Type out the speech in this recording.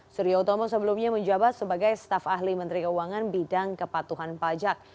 surya utomo sebelumnya menjabat sebagai staf ahli menteri keuangan bidang kepatuhan pajak